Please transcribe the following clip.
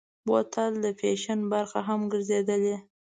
بوتل د فیشن برخه هم ګرځېدلې.